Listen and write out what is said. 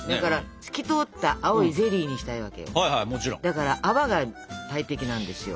だから泡が大敵なんですよ。